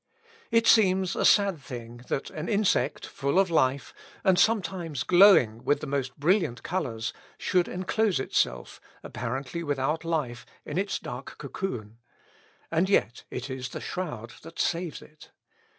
It seems a sad thing, that an insect full of life, and sometimes glowing with the most brilliant colours, should enclose itself, apparently without life, in its dark cocoon; and yet it is the shroud that saves it.